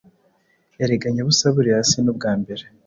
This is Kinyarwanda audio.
Erega nyabusa buriya si n’ubwa mbere!